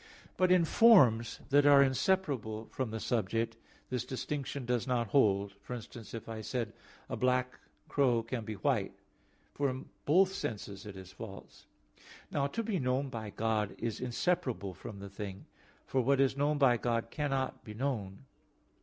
But in forms that are inseparable from the subject, this distinction does not hold, for instance, if I said, "A black crow can be white"; for in both senses it is false. Now to be known by God is inseparable from the thing; for what is known by God cannot be known.